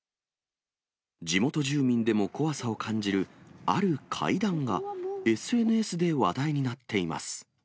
地元住民でも怖さを感じる、ある階段がＳＮＳで話題になっています。